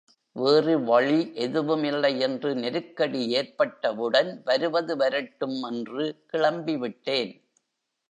வேறு வழி எதுவுமில்லை என்று நெருக்கடி ஏற்பட்டவுடன் வருவது வரட்டும் என்று கிளம்பிவிட்டேன்.